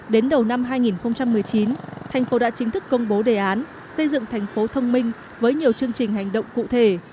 đến đầu năm hai nghìn một mươi chín thành phố đã chính thức công bố đề án xây dựng thành phố thông minh với nhiều chương trình hành động cụ thể